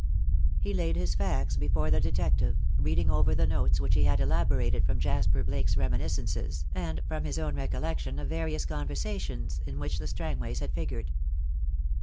He laid his facts before the detective, reading over the notes which he had elaborated from Jasper Blake's reminiscences and from his own recollection of various conversations in which the Strangways had figured.